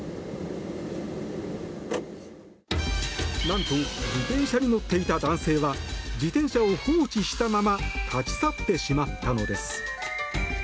何と、自転車に乗っていた男性は自転車を放置したまま立ち去ってしまったのです。